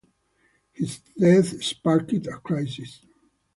His death sparked a crisis.